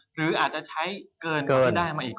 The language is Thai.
หรืออาจจะใช้เกินได้มาอีก